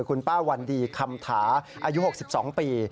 คุณป้าวันดีคำถาอายุ๖๒ปี